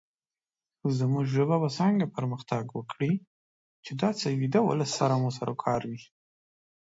زمونږ ژبه به څنګه پرمختګ وکړې، چې داسې ويده ولس سره مو سروکار وي